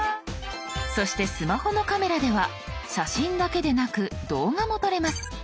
そしてスマホのカメラでは写真だけでなく動画も撮れます。